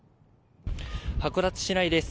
函館市内です。